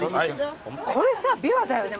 これさびわだよね？